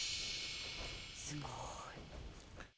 すごい。